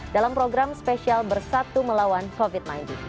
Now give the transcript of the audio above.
dalam program spesial bersatu melawan covid sembilan belas